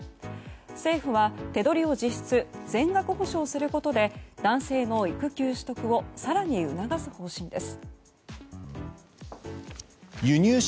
政府は、手取りを実質全額補償することで男性の育休取得を更に促す方針です。